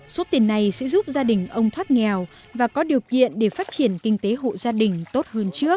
số tiền này sẽ giúp gia đình ông thoát nghèo và có điều kiện để phát triển kinh tế hộ gia đình tốt hơn trước